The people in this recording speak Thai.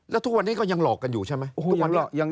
แล้วทุกวันนี้ก็ยังหลอกกันอยู่ใช่ไหม